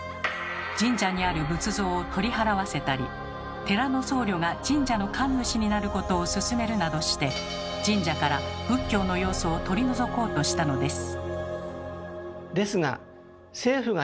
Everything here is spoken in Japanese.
神社にある仏像を取り払わせたり寺の僧侶が神社の神主になることを勧めるなどして神社から仏教の要素を取り除こうとしたのです。